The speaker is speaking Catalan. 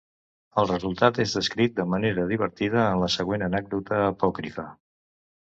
El resultat és descrit de manera divertida en la següent anècdota apòcrifa.